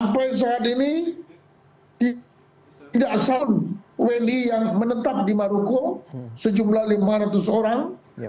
sampai saat ini tidak sound wni yang menetap di maroko sejumlah lima ratus orang